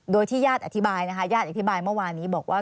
โดยที่ญาติอธิบายนะคะญาติอธิบายเมื่อวานนี้บอกว่า